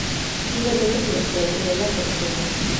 He led the Socialist group in the local assembly.